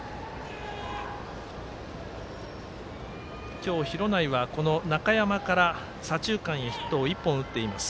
今日、廣内は中山から左中間へヒットを１本打っています。